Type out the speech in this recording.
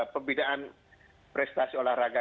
pembinaan prestasi olahraga